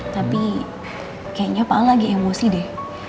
tapi kayaknya pak ala lagi emosi deh